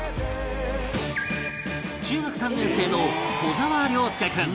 中学３年生の小澤諒祐君